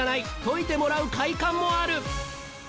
解いてもらう快感もある！